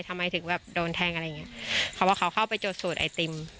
ทำไมถึงแบบโดนแทงอะไรอย่างเงี้ยเขาบอกเขาเข้าไปจดสูตรไอติม